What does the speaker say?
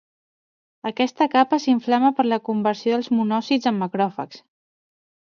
Aquesta capa s'inflama per la conversió dels monòcits en macròfags.